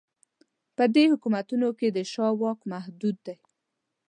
په دې حکومتونو کې د شاه واک محدود دی.